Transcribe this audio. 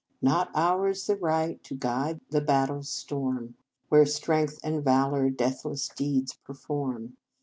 " Not ours the right to guide the battle s storm, Where strength and valour deathless deeds perform.